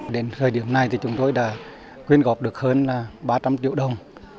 đến thời điểm này thì chúng tôi đã quyên góp được hơn ba trăm linh triệu đồng